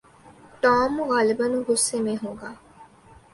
Tom غالباً غصے میں ہوگا۔